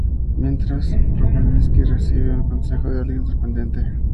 Mientras Rumplestiltskin recibe un consejo de alguien sorprendente.